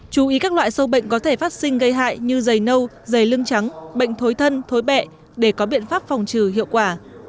chú ý các loại sâu bệnh có thể phát sinh gây hại như dày nâu dày lưng trắng bệnh thối thân thối bẹ để có biện pháp phòng trừ hiệu quả